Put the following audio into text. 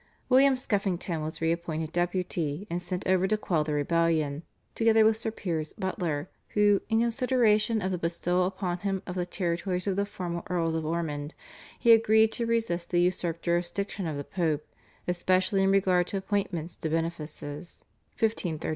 William Skeffington was re appointed Deputy and sent over to quell the rebellion, together with Sir Piers Butler who, in consideration of the bestowal upon him of the territories of the former Earls of Ormond, agreed to resist the usurped jurisdiction of the Pope especially in regard to appointments to benefices (1534).